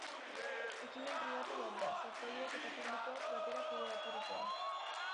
Ekimen pribatu bat da, sortzaileek eta publikoak batera kudeaturikoa.